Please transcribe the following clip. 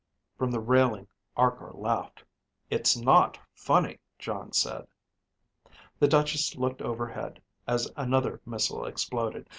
From the railing Arkor laughed. "It's not funny," Jon said. The Duchess looked overhead as another missile exploded.